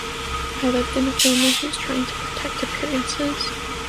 I lived in a family who was trying to protect appearances.